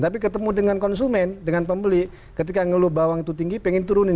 tapi ketemu dengan konsumen dengan pembeli ketika ngeluh bawang itu tinggi pengen turunin